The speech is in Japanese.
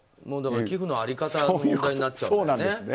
寄付の在り方の問題になっちゃうんだね。